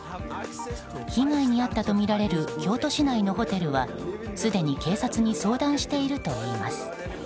被害に遭ったとみられる京都市内のホテルはすでに警察に相談しているといいます。